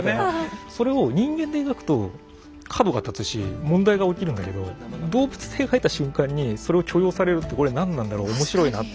それを人間で描くと角が立つし問題が起きるんだけど動物で描いた瞬間にそれを許容されるってこれ何なんだろう面白いなって。